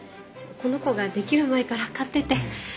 この子ができる前から飼ってて。